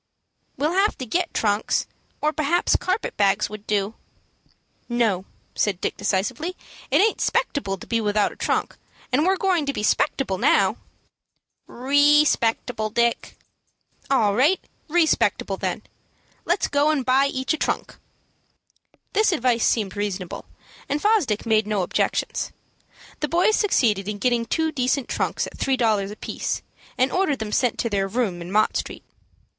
"We'll have to get trunks, or perhaps carpet bags would do." "No," said Dick, decisively, "it aint 'spectable to be without a trunk, and we're going to be 'spectable now." "_Re_spectable, Dick." "All right, respectable, then. Let's go and buy each a trunk." This advice seemed reasonable, and Fosdick made no objection. The boys succeeded in getting two decent trunks at three dollars apiece, and ordered them sent to their room in Mott Street.